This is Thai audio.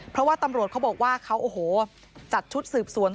เพราะว่าตำรวจเขาบอกว่าเขาโอ้โหจัดชุดสืบสวน